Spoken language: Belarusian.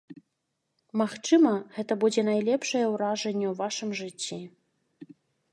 Магчыма, гэта будзе найлепшае ўражанне ў вашым жыцці.